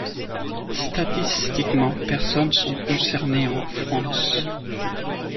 Statistiquement, personnes sont concernées en France.